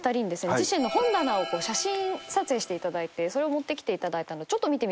自身の本棚を写真撮影していただいてそれを持ってきていただいたんでちょっと見てみましょう。